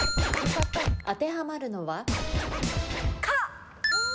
当てはまるのは？か。